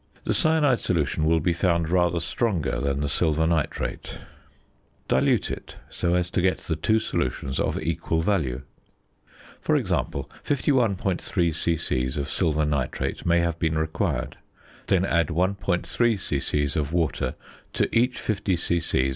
The cyanide solution will be found rather stronger than the silver nitrate; dilute it so as to get the two solutions of equal value. For example, 51.3 c.c. of silver nitrate may have been required: then add 1.3 c.c. of water to each 50 c.c.